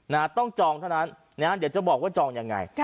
นะฮะต้องจองเท่านั้นนะฮะเดี๋ยวจะบอกว่าจองยังไง